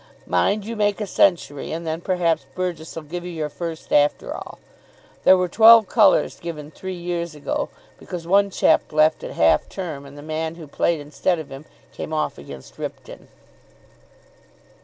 Mind you make a century, and then perhaps Burgess'll give you your first after all. There were twelve colours given three years ago, because one chap left at half term and the man who played instead of him came off against Ripton."